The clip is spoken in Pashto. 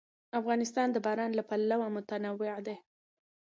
افغانستان د باران له پلوه متنوع دی.